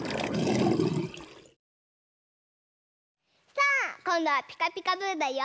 さあこんどは「ピカピカブ！」だよ。